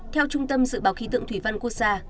theo trung tâm dự báo khí tượng thủy văn quốc gia